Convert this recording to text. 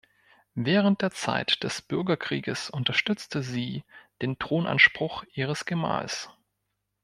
Während der Zeit des Bürgerkrieges unterstützte sie den Thronanspruch ihres Gemahls.